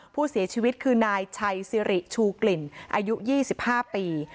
ผู้เสียชีวิตคือนายชัยสิริชูกลิ่นอายุ๒๕ปี